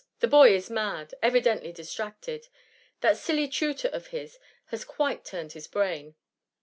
The boy is mad ; evidently distracted : that silly tutor of his has quite turned his brain.